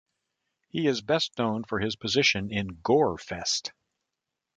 He is best known for his position in Gorefest.